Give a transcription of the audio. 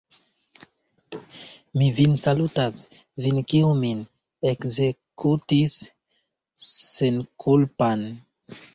Mi vin salutas, vin, kiu min ekzekutis senkulpan!